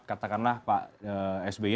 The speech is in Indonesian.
katakanlah pak sby